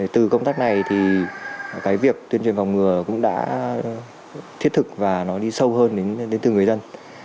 từ công tác này thì cái việc tuyên truyền phòng ngừa cũng đã thiết thực và nó đi sâu hơn đến từng người dân